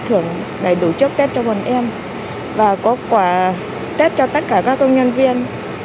thưởng đầy đủ chất tết cho bọn em và có quà tết cho tất cả các công nhân viên